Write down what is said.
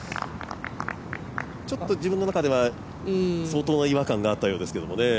ちょっと自分の中では相当な違和感があったようですからね。